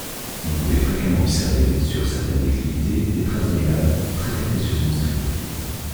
On pouvait fréquemment observer, sur certaines déclivités, des traces de laves, très-capricieusement striées.